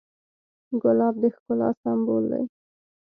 ګلاب د ښکلا سمبول دی.